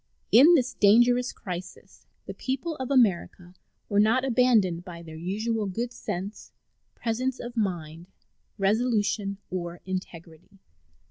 In this dangerous crisis the people of America were not abandoned by their usual good sense, presence of mind, resolution, or integrity.